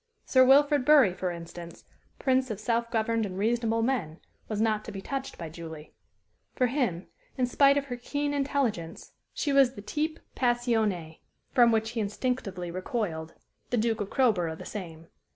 Sir Wilfrid Bury, for instance, prince of self governed and reasonable men, was not to be touched by Julie. For him, in spite of her keen intelligence, she was the type passionné, from which he instinctively recoiled the Duke of Crowborough the same.